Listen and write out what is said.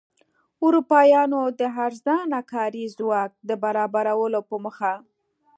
اروپایانو د ارزانه کاري ځواک د برابرولو په موخه.